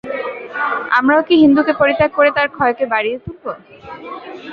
আমরাও কি হিন্দুকে পরিত্যাগ করে তার ক্ষয়কে বাড়িয়ে তুলব?